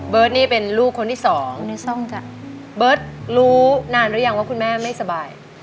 นี่เป็นลูกคนที่สองจ้ะเบิร์ตรู้นานหรือยังว่าคุณแม่ไม่สบาย